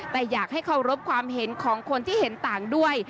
แต่อยากให้เคารพความเห็นของคนที่เห็นต่างด้วย